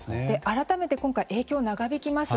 改めて今回、影響が長引きます。